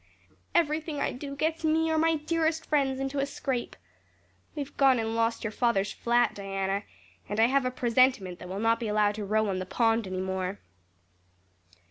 Everything I do gets me or my dearest friends into a scrape. We've gone and lost your father's flat, Diana, and I have a presentiment that we'll not be allowed to row on the pond any more."